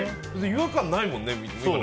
違和感ないもんね